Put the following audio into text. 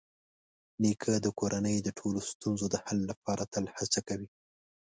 نیکه د کورنۍ د ټولو ستونزو د حل لپاره تل هڅه کوي.